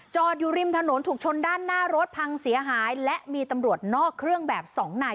อยู่ริมถนนถูกชนด้านหน้ารถพังเสียหายและมีตำรวจนอกเครื่องแบบสองนาย